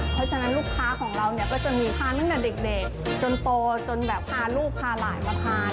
เพราะฉะนั้นลูกค้าของเราเนี่ยก็จะมีทานตั้งแต่เด็กจนโตจนแบบพาลูกพาหลานมาทาน